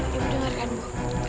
ya dengarkan bu